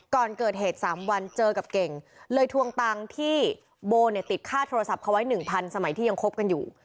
ก่อนเกิดเหตุ๓วันเจอกับเก่งเลยทวงตังค์ที่โบเนี่ยติดค่าโทรศัพท์เขาไว้๑๐๐สมัยที่ยังคบกันอยู่